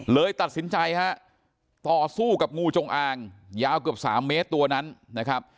เลยตัดสินใจฮะต่อสู้กับงูจงอางยาวเกือบ๓เมตรตัวนั้นนะครับ